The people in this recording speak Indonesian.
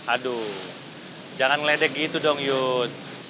aduh jangan meledek gitu dong yud